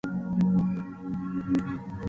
Pero, en menor intensidad o frecuencia.